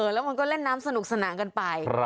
แล้วมันก็เล่นน้ำสนุกสนานกันไป